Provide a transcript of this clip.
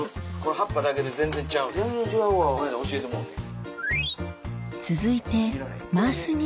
葉っぱだけで全然ちゃうねんこの間教えてもろうてん。